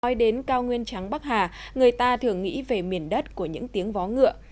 nói đến cao nguyên trắng bắc hà người ta thường nghĩ về miền đất của những tiếng vó ngựa